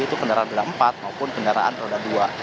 yaitu kendaraan berada empat maupun kendaraan berada dua